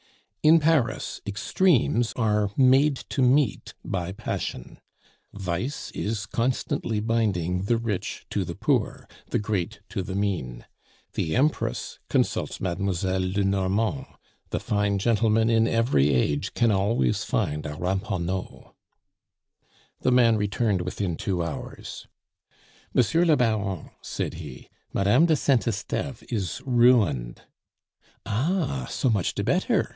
In Paris extremes are made to meet by passion. Vice is constantly binding the rich to the poor, the great to the mean. The Empress consults Mademoiselle Lenormand; the fine gentleman in every age can always find a Ramponneau. The man returned within two hours. "Monsieur le Baron," said he, "Madame de Saint Esteve is ruined." "Ah! so much de better!"